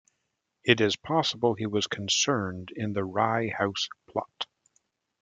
It is possible he was concerned in the Rye House Plot.